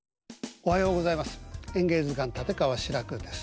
おはようございます。